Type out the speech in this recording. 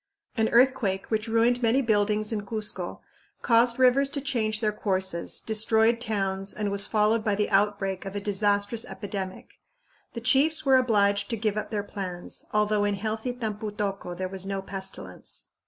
An earthquake, which ruined many buildings in Cuzco, caused rivers to change their courses, destroyed towns, and was followed by the outbreak of a disastrous epidemic. The chiefs were obliged to give up their plans, although in healthy Tampu tocco there was no pestilence.